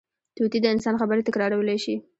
طوطي د انسان خبرې تکرارولی شي